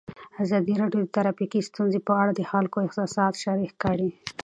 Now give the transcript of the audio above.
ازادي راډیو د ټرافیکي ستونزې په اړه د خلکو احساسات شریک کړي.